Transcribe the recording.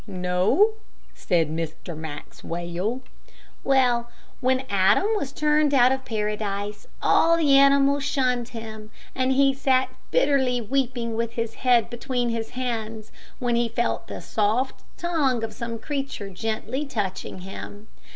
"No," said Mr. Maxwell. "Well, when Adam was turned out of paradise, all the animals shunned him, and he sat bitterly weeping with his head between his hands, when he felt the soft tongue of some creature gently touching him.